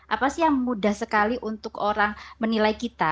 apa sih yang mudah sekali untuk orang menilai kita